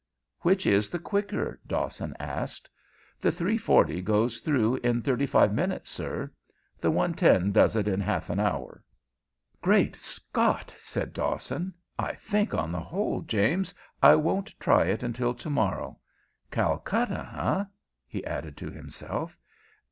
"Which is the quicker?" Dawson asked. "The 3.40 goes through in thirty five minutes, sir. The 1.10 does it in half an hour." "Great Scott!" said Dawson. "I think, on the whole, James, I won't try it until to morrow. Calcutta, eh!" he added to himself.